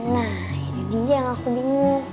nah itu dia yang aku bingung